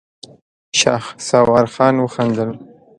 شهسوار خان وخندل.